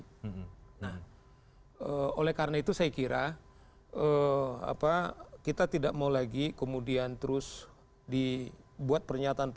nah oleh karena itu saya kira kita tidak mau lagi kemudian terus dibuat pernyataan